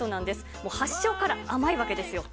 もう発祥から甘いわけですよ。